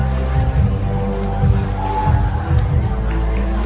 สโลแมคริปราบาล